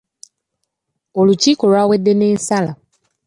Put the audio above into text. Olukiiko lwawedde n'essaala.